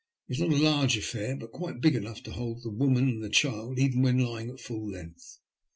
It was not a large affair, but quite big enough to hold the woman and the child even when lying at full length.